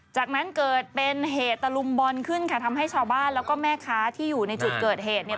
จากนั้นเกิดเป็นเหตุตะลุมบอลขึ้นค่ะทำให้ชาวบ้านแล้วก็แม่ค้าที่อยู่ในจุดเกิดเหตุเนี่ย